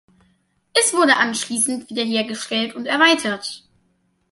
Es wurde anschließend wiederhergestellt und erweitert.